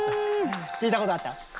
聞いたことあった？